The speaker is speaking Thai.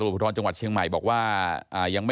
ก็มีการออกรูปรวมปัญญาหลักฐานออกมาจับได้ทั้งหมด